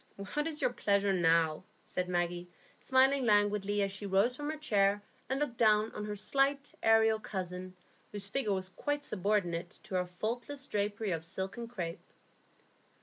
"What is your pleasure now?" said Maggie, smiling languidly as she rose from her chair and looked down on her slight, aerial cousin, whose figure was quite subordinate to her faultless drapery of silk and crape.